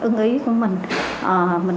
số lượng lớn